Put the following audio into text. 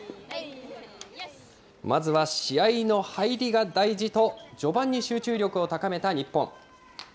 まずは試合の入りが大事と、序盤に集中力を高めた日本。